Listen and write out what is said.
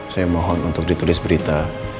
saya mohon untuk ditulis berita